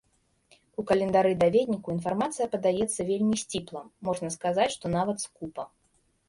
У календары-даведніку інфармацыя падаецца вельмі сціпла, можна сказаць, што нават скупа.